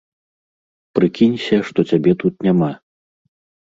Прыкінься, што цябе тут няма.